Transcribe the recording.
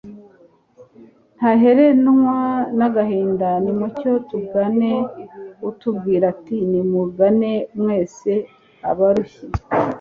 ntaheranwa n'agahinda. nimucyo tugane utubwira ati nimungane mwese, abarushye